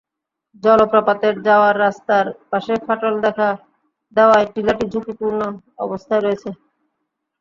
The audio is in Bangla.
জলপ্রপাতে যাওয়ার রাস্তার পাশে ফাটল দেখা দেওয়ায় টিলাটি ঝুঁকিপূর্ণ অবস্থায় রয়েছে।